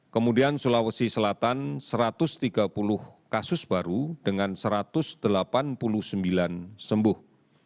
kemudian sulawesi selatan satu ratus tiga puluh kasus baru dengan satu ratus delapan puluh sembilan sembuh